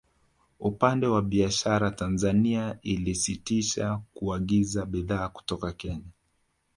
Upande wa biashara Tanzania ilisitisha kuagiza bidhaa kutoka Kenya